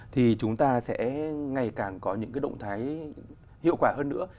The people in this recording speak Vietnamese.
thì chúng ta sẽ ngày càng có những cái động thái hiệu quả hơn nữa